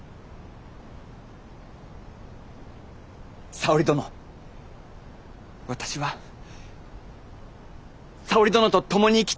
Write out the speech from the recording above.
沙織殿私は沙織殿と共に生きていきたいのだ。